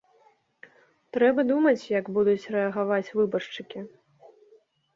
Трэба думаць, як будуць рэагаваць выбаршчыкі.